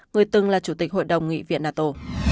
người từng là chủ tịch hội đồng nghị viện nato